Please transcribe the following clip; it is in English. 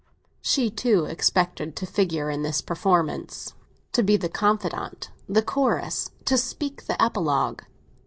She too expected to figure in the performance—to be the confidante, the Chorus, to speak the epilogue.